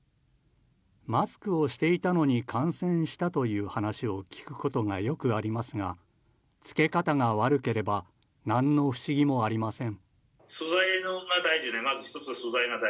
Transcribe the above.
マスクをしていたのに感染したという話を聞くことがよくありますが着け方が悪ければなんの不思議もありません。